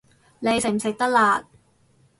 你食唔食得辣